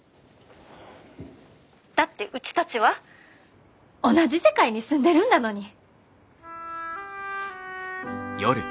☎だってうちたちは同じ世界に住んでるんだのに。